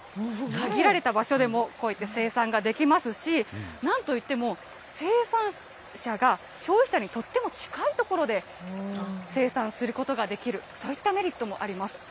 限られた場所でもこうやって生産ができますし、なんといっても、生産者が消費者にとっても近い所で生産することができる、そういったメリットもあります。